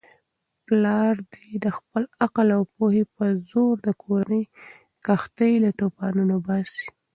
پلارد خپل عقل او پوهې په زور د کورنی کښتۍ له توپانونو باسي.